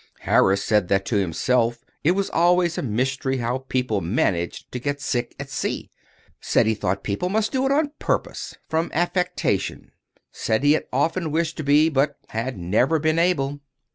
Harris said that, to himself, it was always a mystery how people managed to get sick at sea—said he thought people must do it on purpose, from affectation—said he had often wished to be, but had never been able.